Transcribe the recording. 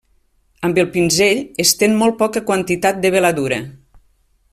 Amb el pinzell, estén molt poca quantitat de veladura.